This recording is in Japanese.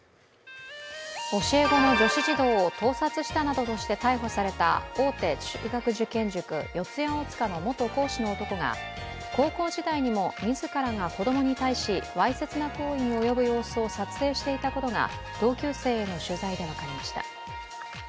教え子の女子児童を盗撮したなどとして逮捕された、大手中学受験塾四谷大塚の元講師の男が高校時代にも自らが子供に対しわいせつな行為に及ぶ様子を撮影していたことが同級生への取材で分かりました。